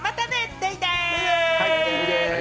デイデイ！